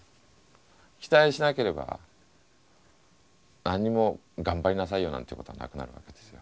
期待しなければ何にも頑張りなさいよなんてことはなくなるわけですよ。